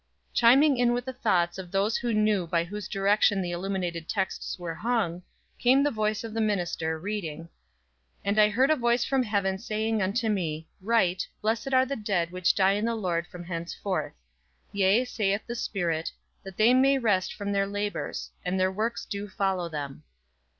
Chiming in with the thoughts of those who knew by whose direction the illuminated texts were hung, came the voice of the minister, reading: "And I heard a voice from heaven saying unto me, Write, Blessed are the dead which die in the Lord from henceforth: Yea, saith the Spirit, that they may rest from their labors; and their works do follow them."